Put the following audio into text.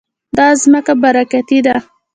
دا ځمکه برکتي ده.